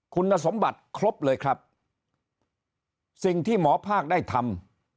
คุณสมบัติครบเลยครับสิ่งที่หมอภาคได้ทำ